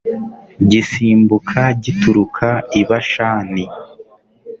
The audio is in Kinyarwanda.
gisimbuka gituruka i bashani